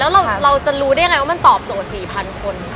แล้วเราจะรู้ได้ยังไงว่ามันตอบโจทย์๔๐๐คน